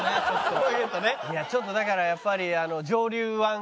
いやちょっとだからやっぱり。